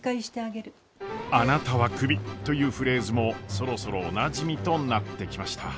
「あなたはクビ」というフレーズもそろそろおなじみとなってきました。